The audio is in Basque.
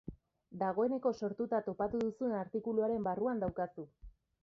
Dagoeneko sortuta topatu duzun artikuluaren barruan daukazu.